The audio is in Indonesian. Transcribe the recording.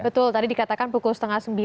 betul tadi dikatakan pukul setengah sembilan